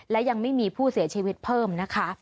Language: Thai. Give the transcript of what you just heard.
และยังไม่มีผู้เสียชีวิตเพิ่มนะคะ